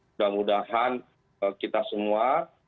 mudah mudahan kita semua